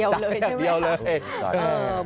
จ่ายอย่างเดียวเดียวเลย